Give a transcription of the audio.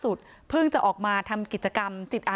พร้อมด้วยผลตำรวจเอกนรัฐสวิตนันอธิบดีกรมราชทัน